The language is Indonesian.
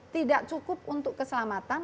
tidak cukup untuk keselamatan